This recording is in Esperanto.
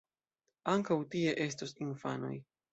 Ankaŭ tie estos infanoj.